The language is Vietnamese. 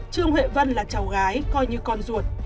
trương huệ vân là cháu gái coi như con ruột